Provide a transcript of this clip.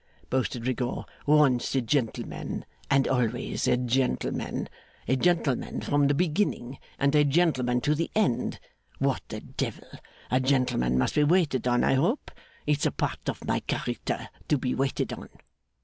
boasted Rigaud. 'Once a gentleman, and always a gentleman. A gentleman from the beginning, and a gentleman to the end. What the Devil! A gentleman must be waited on, I hope? It's a part of my character to be waited on!